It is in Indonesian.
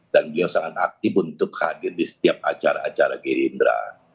dan beliau sangat aktif untuk hadir di setiap acara acara gerindra